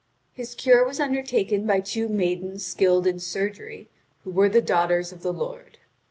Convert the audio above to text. His cure was undertaken by two maidens skilled in surgery, who were daughters of the lord.